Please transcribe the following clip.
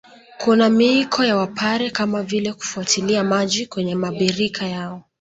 Kuna miiko ya Wapare kama vile kufuatilia maji kwenye mabirika yao